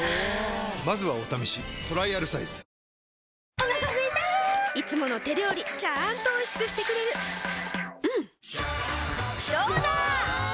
お腹すいたいつもの手料理ちゃんとおいしくしてくれるジューうんどうだわ！